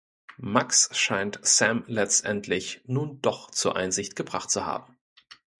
Max scheint Sam letztendlich nun doch zur Einsicht gebracht zu haben.